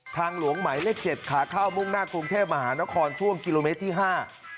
ทางหลวงหมายเลขเจ็ดขาเข้ามุ่งหน้ากรุงเทพมหานครช่วงกิโลเมตรที่ห้า